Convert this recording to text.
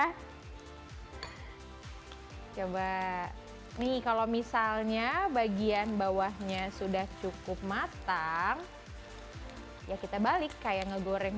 hai coba nih kalau misalnya bagian bawahnya sudah cukup matang ya kita balik kayak nge goreng